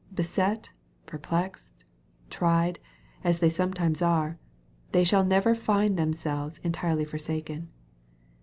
Beset, perplexed, tried, as they sometimes are, they shall never find themselves entirely forsaken.